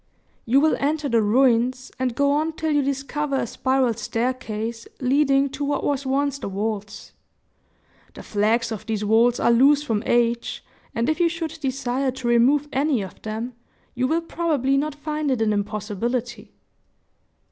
"You will enter the ruins, and go on till you discover a spiral staircase leading to what was once the vaults. The flags of these vaults are loose from age, and if you should desire to remove any of them, you will probably not find it an impossibility."